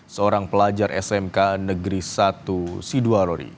seorang pelajar smk negeri satu sidoar